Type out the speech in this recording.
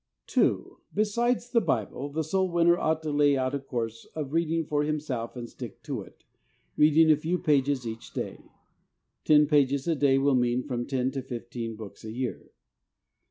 2. — Besides the Bible, the soul winner ought to lay out a course of reading for himself and stick to it, reading a few pages each day. Ten pages a day will mean from ten to fifteen books a year.